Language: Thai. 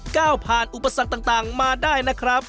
ก้าวผ่านอุปสรรคต่างมาได้นะครับ